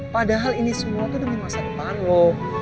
padahal ini semua tuh demi masa depan loh